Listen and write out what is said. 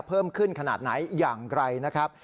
เพิ่มขึ้นขนาดไหนอย่างไรนะครับ